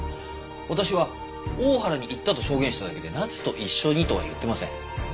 私は大原に行ったと証言しただけで奈津と一緒にとは言ってません。